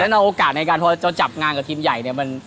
ในโอกาสในการพอจะจับงานกับทีมใหญ่เนี่ย